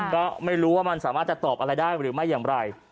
ก็ไม่รู้ว่ามันสามารถจะตอบอะไรได้หรือไม่อย่างไร